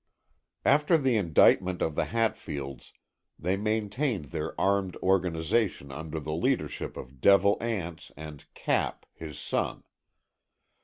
After the indictment of the Hatfields they maintained their armed organization under the leadership of Devil Anse and "Cap," his son.